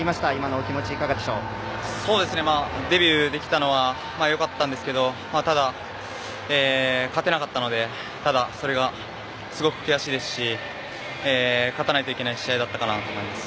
デビューできたのはよかったんですけどただ、勝てなかったのでただ、それがすごく悔しいですし勝たないといけない試合だったかなと思います。